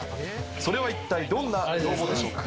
それはいったいどんな要望でしょうか。